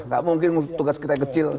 enggak mungkin tugas kita yang kecil